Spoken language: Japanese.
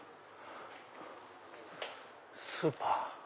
スーパー。